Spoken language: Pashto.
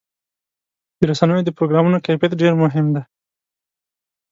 د رسنیو د پروګرامونو کیفیت ډېر مهم دی.